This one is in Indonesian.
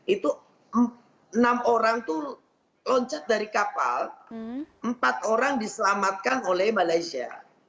itu enam orang itu loncat dari kapal empat orang diselamatkan oleh malaysia